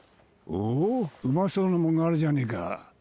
おぉうまそうなもんがあるじゃねえか。